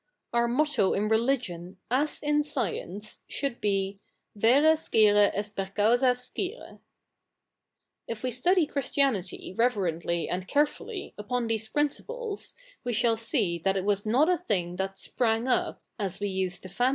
Our motto in religion, as in science, should be, " Vere scire est per causas scire. ^^' If we study Christianity revere?ttly and carefully 2ipon these principles, we shall see that it was not a thing that sprang up, as we used tofa?